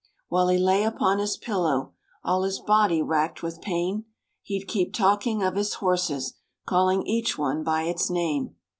While he lay upon his pillow, All his body racked with pain, He'd keep talking of his horses, Calling each one by its name.